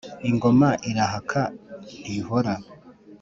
Ingoma irahaka ntihora